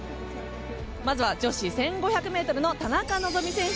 まずは女子１５００ｍの田中希実選手。